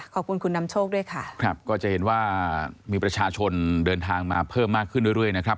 ขอบคุณคุณนำโชคด้วยค่ะครับก็จะเห็นว่ามีประชาชนเดินทางมาเพิ่มมากขึ้นเรื่อยนะครับ